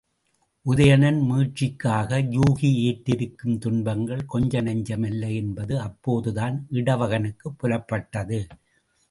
உதயணன் மீட்சிக்காக யூகி ஏற்றிருக்கும் துன்பங்கள் கொஞ்சநஞ்சமல்ல என்பது அப்போதுதான் இடவகனுக்குப் புலப்பட்டது.